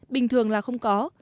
bình thường là không có